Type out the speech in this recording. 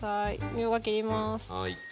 みょうが切ります。